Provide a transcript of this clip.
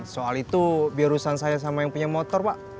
soal itu biurusan saya sama yang punya motor pak